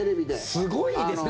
すごいですね。